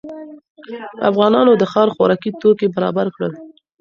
افغانانو د ښار خوراکي توکي برابر کړل.